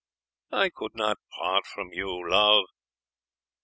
"I could not part from you, love."